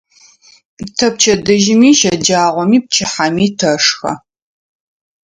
Тэ пчэдыжьыми, щэджагъоми, пчыхьэми тэшхэ.